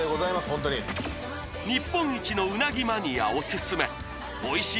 ホントに日本一のうなぎマニアオススメおいしい